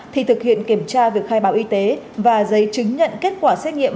thì thực hiện kiểm tra việc khai báo y tế và giấy chứng nhận kết quả xét nghiệm